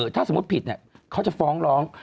ถ้าสมมุติผิดเขาจะฟ้องร้อง